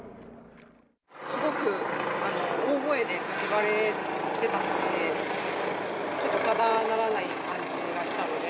すごく大声で叫ばれてたんで、ちょっと、ただならない感じがしたので。